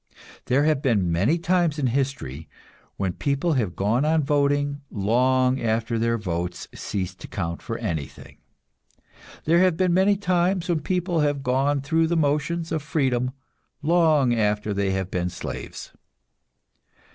There have been many times in history when people have gone on voting, long after their votes ceased to count for anything; there have been many times when people have gone through the motions of freedom long after they have been slaves.